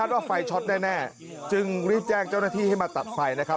ว่าไฟช็อตแน่จึงรีบแจ้งเจ้าหน้าที่ให้มาตัดไฟนะครับ